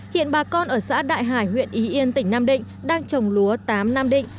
hiện bà con ở xã đại hải huyện y yên tỉnh nam định đang trồng lúa tám nam định